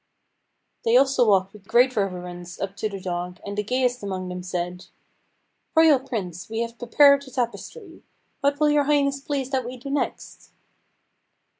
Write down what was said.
They also walked with great reverence up to the dog, and the gayest among them said: "Royal Prince, we have prepared the tapestry. What will Your Highness please that we do next?"